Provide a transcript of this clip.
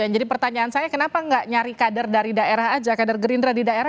yang jadi pertanyaan saya kenapa enggak nyari kader dari daerah aja kadar gerindra di daerah